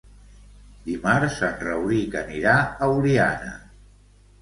Dimarts en Rauric anirà a Oliana.